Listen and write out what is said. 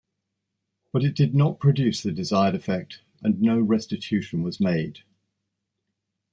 But it did not produce the desired effect and no restitution was made.